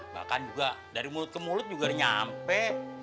bahkan juga dari mulut ke mulut juga udah nyampe